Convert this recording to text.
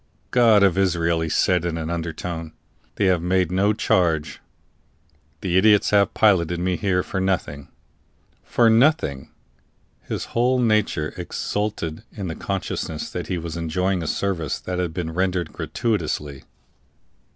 "God of Israel!" he said in an undertone, "they have made no charge; the idiots have piloted me here for nothing." For nothing! His whole nature exulted in the consciousness that he was enjoying a service that had been rendered gratuitously.